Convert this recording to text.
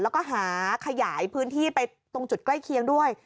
แล้วก็หาขยายพื้นที่ไปตรงจุดใกล้เคียงด้วย